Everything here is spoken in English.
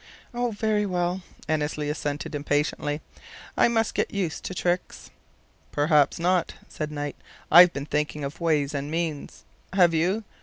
"Oh, very well!" Annesley assented, impatiently. "I must get used to tricks!" "Perhaps not," said Knight. "I've been thinking of ways and means. Have you?